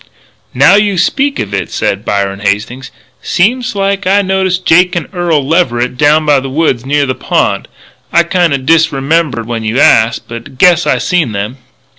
"Now you speak of it," said Byron Hastings, "seems like I noticed Jake and Earl Leverett down by the woods near the pond. I kinda disremembered when you asked, but I guess I seen them."